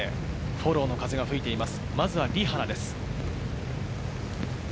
フォローの風が吹いています。